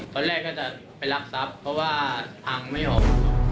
ตั้งแต่แรกก็จะไปรักทรัพย์เพราะว่าพังไม่ออก